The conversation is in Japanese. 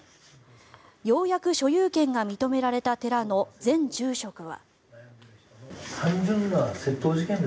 ようやく所有権が認められた寺の前住職は。